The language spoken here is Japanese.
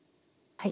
はい。